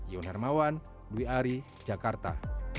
ion hermawan dwi ari jakarta